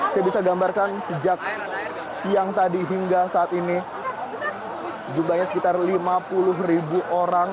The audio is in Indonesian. saya bisa gambarkan sejak siang tadi hingga saat ini jumlahnya sekitar lima puluh ribu orang